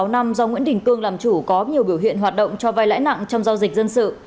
sáu năm do nguyễn đình cương làm chủ có nhiều biểu hiện hoạt động cho vai lãi nặng trong giao dịch dân sự